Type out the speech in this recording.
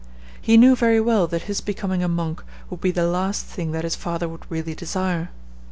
He knew very well that his becoming a monk would be the last thing that his father would really desire.